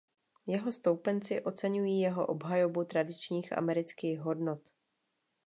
Jeho stoupenci oceňují jeho obhajobu tradičních amerických hodnot.